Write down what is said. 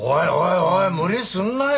おい無理すんなよ